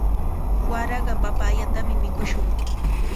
Waraqa papayatami mikushun.